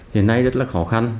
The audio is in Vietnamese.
hiện nay rất là khó khăn